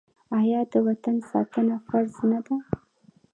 آیا د وطن ساتنه فرض نه ده؟